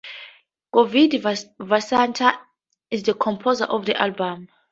Govind Vasantha is the composer of the album.